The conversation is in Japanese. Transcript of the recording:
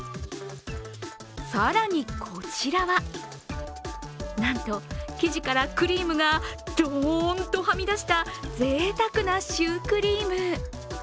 更に、こちらは、なんと生地からクリームがドーンとはみ出したぜいたくなシュークリーム。